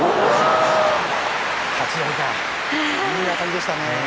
いいあたりでしたね。